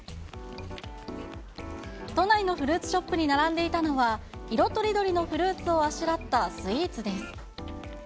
都内のフルーツショップに並んでいたのは、色とりどりのフルーツをあしらったスイーツです。